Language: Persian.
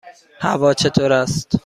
هوا چطور است؟